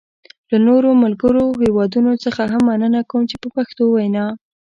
له نورو ملګرو هېوادونو څخه هم مننه کوم په پښتو وینا.